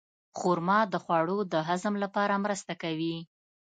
خرما د خوړو د هضم لپاره مرسته کوي.